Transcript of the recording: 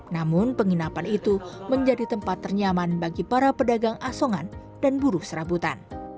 namun penginapan itu menjadi tempat ternyaman bagi para pedagang asongan dan buruh serabutan